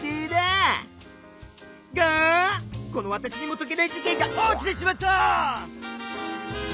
がこのわたしにもとけない事けんが起きてしまった！